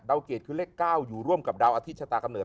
ดาวเกรดคือเลข๙ร่วมกับดาวอธิษฐ์ชะตากำเนื้อ